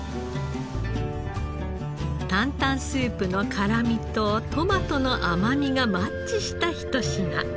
担々スープの辛みとトマトの甘みがマッチしたひと品。